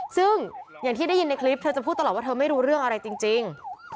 ซึ่งอย่างที่ได้ยินในคลิปเธอจะพูดตลอดว่าเธอไม่รู้เรื่องอะไรจริง